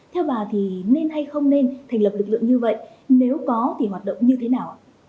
theo bà thì nên hay không nên thành lập lực lượng như vậy nếu có thì hoạt động như thế nào